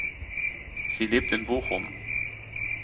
Sie lebt in Bochum.